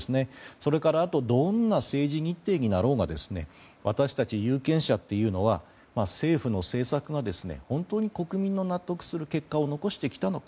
それからどんな政治日程になろうが私たち有権者というのは政府の政策が本当に国民の納得する結果を残してきたのか。